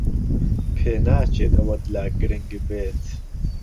پێناچێت ئەوەت لا گرنگ بێت.